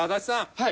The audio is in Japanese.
はい。